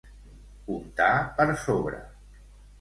Untar per sobre.